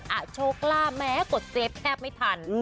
ดีเอ๊ะอ่ะโชว์กล้ามแม้กดเซฟแทบไม่ทัน